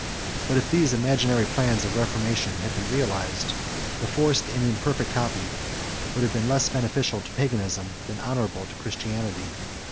But if these imaginary plans of reformation had been realized, the forced and imperfect copy would have been less beneficial to Paganism, than honorable to Christianity.